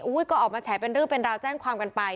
ก็ออกมาแฉเป็นเรื่องเป็นราวแจ้งความกันไป